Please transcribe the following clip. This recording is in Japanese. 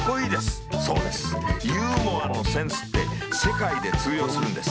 そうですユーモアのセンスって世界で通用するんです。